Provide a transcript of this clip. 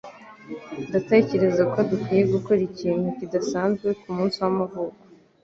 Ndatekereza ko dukwiye gukora ikintu kidasanzwe kumunsi wamavuko.